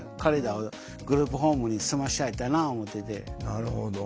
なるほど。